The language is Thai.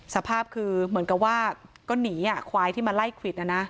สภาพคือเหมือนกับว่าก็หนีควายที่มาไล่ควิดนะนะ